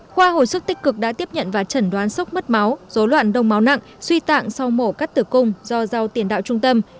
khoa hồi sức tích cực đã tiếp nhận và chẩn đoán sốc mất máu dối loạn đông máu nặng suy tạng sau mổ cắt tử cung do rau tiền đạo trung tâm